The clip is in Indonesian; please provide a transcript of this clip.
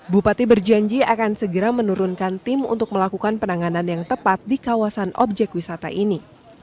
bupati berjanji akan segera menurunkan tim untuk melakukan penanganan yang tepat di kawasan objek wisata ini